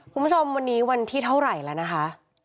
คุณผู้ชมวันนี้วันที่เท่าไหร่แล้วนะคะ